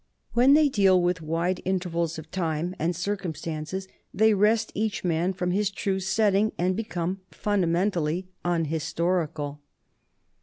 When they deal with wide intervals of time and circumstance, they wrest each man from his true setting and become fundamentally unhistorical.